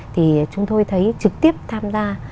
thì chúng tôi thấy trực tiếp tham gia